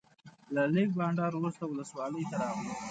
له لږ بانډار وروسته ولسوالۍ ته راغلو.